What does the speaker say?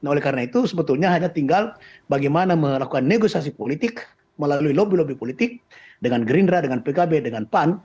oleh karena itu sebetulnya hanya tinggal bagaimana melakukan negosiasi politik melalui lobby lobby politik dengan gerindra dengan pkb dengan pan